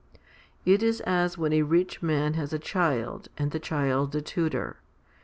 It is as when a rich man has a child, and the child a tutor.